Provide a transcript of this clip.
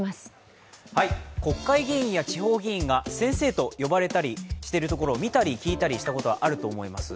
国会議員や地方議員が「先生」と呼ばれたり見たり聞いたりしたことがあると思います。